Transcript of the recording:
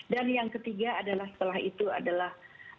dan yang ketiga adalah setelah itu adalah